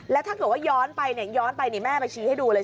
แล้วถ้าเกิดว่าย้อนไปย้อนไปนี่แม่ไปชี้ให้ดูเลย